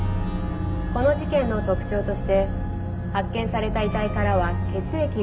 この事件の特徴として発見された遺体からは血液が抜かれており。